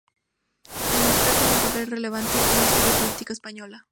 El militar tuvo un papel relevante en la historia política española.